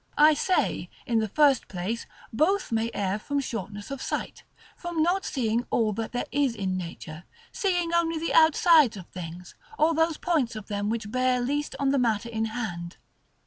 I say, in the first place, both may err from shortness of sight, from not seeing all that there is in nature; seeing only the outsides of things, or those points of them which bear least on the matter in hand.